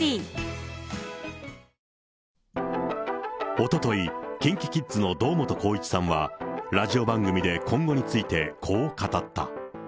おととい、ＫｉｎＫｉＫｉｄｓの堂本光一さんは、ラジオ番組で今後についてこう語った。